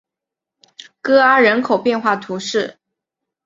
戈阿人口变化图示